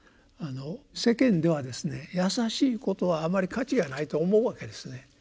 世間ではですね易しいことはあまり価値がないと思うわけですね。